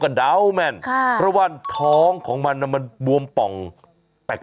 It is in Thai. ก็เดาแม่นระหว่านท้องมันบวมเปล่าแปลก